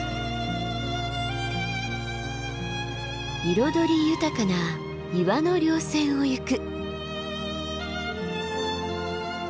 彩り豊かな岩の稜線を行く。